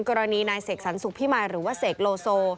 กรณีนายเสกสรรสุขพิมายหรือว่าเสกโลโซ